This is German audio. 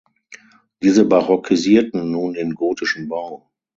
Diese barockisierten nun den gotischen Bau.